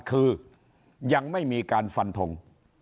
คือยังไม่มีการฟันทง